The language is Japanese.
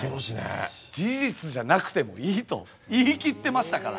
事実じゃなくてもいいと言い切ってましたから。